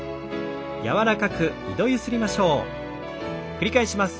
繰り返します。